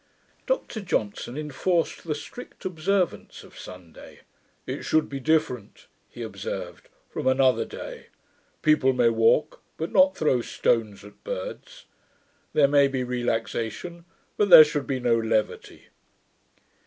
Dr Johnson enforced the strict observance of Sunday. 'It should be different,' he observed, 'from another day. People may walk, but not throw stones at birds. There may be relaxation, but there should be no levity.'